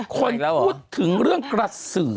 คนพูดถึงเรื่องกระสือ